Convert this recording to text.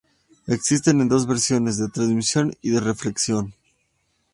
Existen en dos versiones: de transmisión y de reflexión.